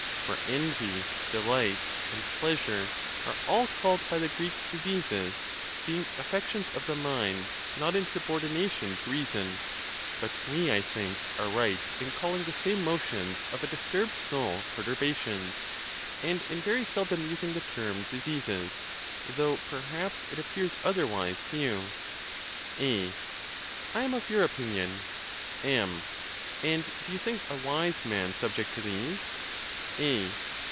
For envy, delight, and pleasure are all called by the Greeks diseases, being affections of the mind not in subordination to reason; but we, I think, are right in calling the same motions of a disturbed soul perturbations, and in very seldom using the term diseases; though, perhaps, it appears otherwise to you. A, I am of your opinion. M. And do you think a wise man subject to these? A.